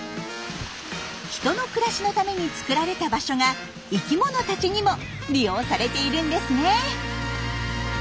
人の暮らしのために作られた場所が生きものたちにも利用されているんですね。